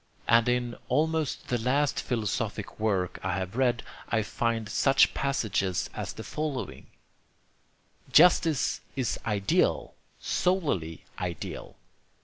And in almost the last philosophic work I have read, I find such passages as the following: "Justice is ideal, solely ideal.